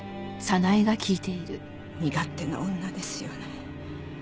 身勝手な女ですよね。